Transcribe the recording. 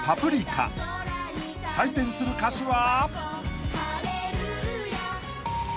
［採点する歌詞は］